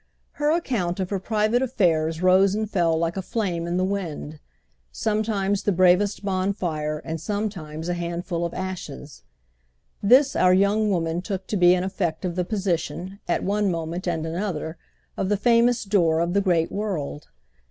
Her account of her private affairs rose and fell like a flame in the wind—sometimes the bravest bonfire and sometimes a handful of ashes. This our young woman took to be an effect of the position, at one moment and another, of the famous door of the great world.